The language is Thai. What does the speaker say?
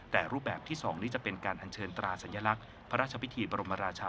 แต่รูปแบบที่สองฐานเฉินภูมิตรรา